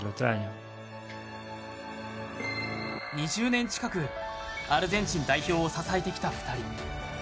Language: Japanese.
２０年近くアルゼンチン代表を支えてきた２人。